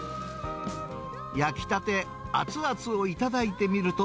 焼きたて熱々を頂いてみると。